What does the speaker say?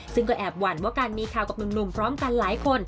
ซึ่งก็แอบหวั่นว่าการมีข่าวกับหนุ่มพร้อมกันหลายคน